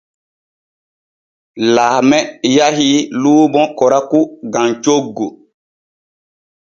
Laame yahii luumo koraku gam coggu.